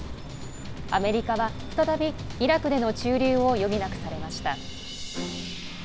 アメリカは再びイラクでの駐留を余儀なくされました。